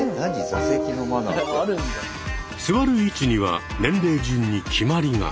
座る位置には年齢順に決まりが。